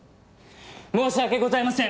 申し訳ございません！